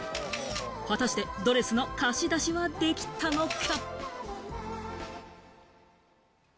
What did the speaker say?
果たしてドレスの貸し出しはできたのか？